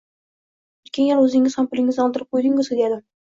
O’tgan gal o’zingiz ham pulingizni oldirib qo’yuvdingiz-ku! – dedim.